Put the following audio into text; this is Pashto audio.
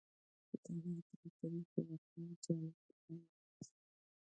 د مادې درې حالتونه جامد مايع ګاز.